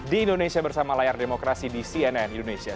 di indonesia bersama layar demokrasi di cnn indonesia